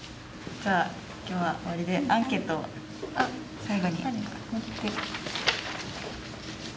じゃあ今日は終わりでアンケートを最後に。